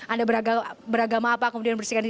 anda beragama apa kemudian membersihkan